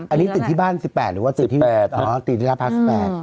อันนี้ติดที่บ้าน๑๘หรือว่าติดที่ราภาค๑๘